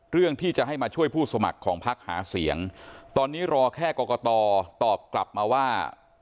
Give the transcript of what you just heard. เรื่องที่จะให้มาช่วยผู้สมัครของพักหาเสียงตอนนี้รอแค่กรกตตอบกลับมาว่า